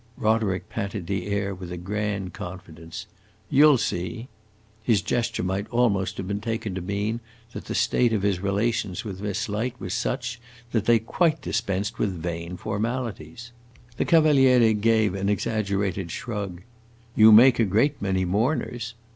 Roderick patted the air with a grand confidence. "You 'll see!" His gesture might almost have been taken to mean that the state of his relations with Miss Light was such that they quite dispensed with vain formalities. The Cavaliere gave an exaggerated shrug. "You make a great many mourners!"